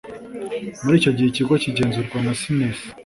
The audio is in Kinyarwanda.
Muri icyo gihe ikigo kigenzurwa na sinesi